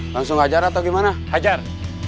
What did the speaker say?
langsung hajar atau gimana hajar